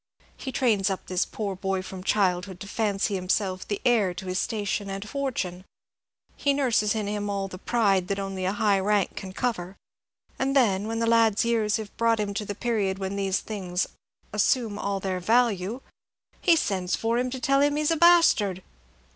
He trains up this poor boy from childhood to fancy himself the heir to his station and fortune; he nurses in him all the pride that only a high rank can cover; and then, when the lad's years have brought him to the period when these things assume all their value, he sends for him to tell him he is a bastard."